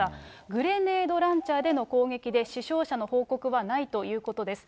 グレネードランチャーでの攻撃で死傷者の報告はないということです。